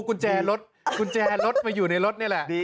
กลัวกุญแจรถมาอยู่ในรถนี่แหละ